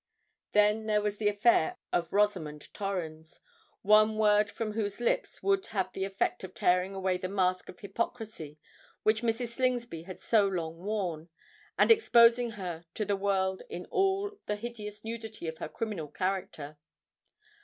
Then there was the affair of Rosamond Torrens, one word from whose lips would have the effect of tearing away the mask of hypocrisy which Mrs. Slingsby had so long worn, and exposing her to the world in all the hideous nudity of her criminal character.